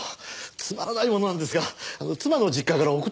つまらないものなんですが妻の実家から送って参りまして。